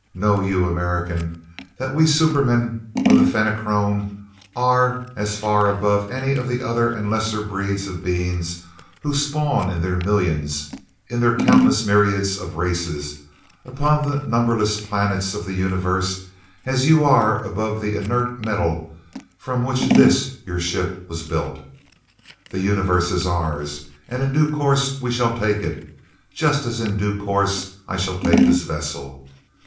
Know you, American, that we supermen of the Fenachrone are as far above any of the other and lesser breeds of beings who spawn in their millions in their countless myriads of races upon the numberless planets of the Universe as you are above the inert metal from which this, your ship, was built. The Universe is ours, and in due course we shall take it just as in due course I shall take this vessel.